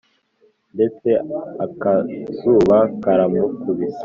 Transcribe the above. ndetse akazuba karamukubise,